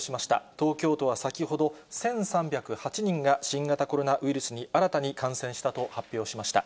東京都は先ほど、１３０８人が新型コロナウイルスに新たに感染したと発表しました。